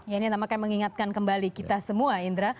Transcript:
ini namakan mengingatkan kembali kita semua indra